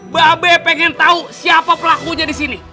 pak abeh pengen tau siapa pelakunya disini